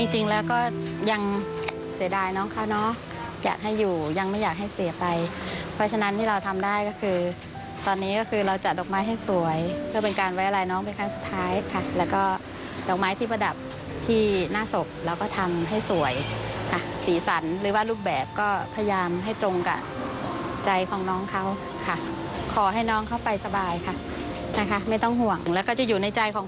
จริงแล้วก็ยังเสียดายน้องเขาเนาะอยากให้อยู่ยังไม่อยากให้เสียไปเพราะฉะนั้นที่เราทำได้ก็คือตอนนี้ก็คือเราจัดดอกไม้ให้สวยเพื่อเป็นการไว้อะไรน้องเป็นครั้งสุดท้ายค่ะแล้วก็ดอกไม้ที่ประดับที่หน้าศพเราก็ทำให้สวยสีสันหรือว่ารูปแบบก็พยายามให้ตรงกับใจของน้องเขาค่ะขอให้น้องเขาไปสบายค่ะนะคะไม่ต้องห่วงแล้วก็จะอยู่ในใจของ